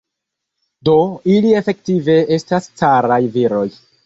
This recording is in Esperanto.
Do ili efektive estas caraj viroj.